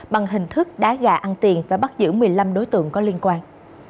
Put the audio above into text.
bằng hình thức đá gà ăn tiền và bắt giữ một mươi năm đối tượng có liên quan